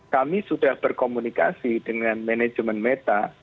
kami sudah berkomunikasi dengan manajemen meta